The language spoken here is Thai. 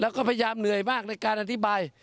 แล้วก็พยายามเหนื่อยมากในการอธิบาย